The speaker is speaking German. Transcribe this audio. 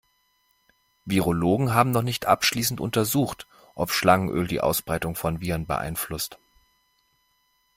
Virologen haben noch nicht abschließend untersucht, ob Schlangenöl die Ausbreitung von Viren beeinflusst.